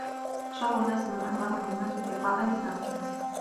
شَرُّ النَّاسِ مَنْ أَكْرَمَهُ النَّاسُ اتِّقَاءَ لِسَانِهِ